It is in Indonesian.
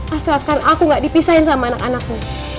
asalkan aku gak dipisahin sama anak anakmu